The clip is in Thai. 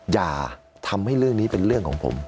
อย่าทำให้เรื่องนี้เป็นเรื่องของผม